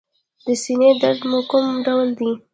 د سینې درد مو کوم ډول دی؟